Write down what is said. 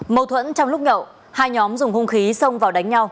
mâu thuẫn trong lúc nhậu hai nhóm dùng hung khí xông vào đánh nhau